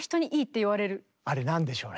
あれ何でしょうね？